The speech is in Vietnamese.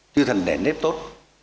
chưa thành đề nếp tốt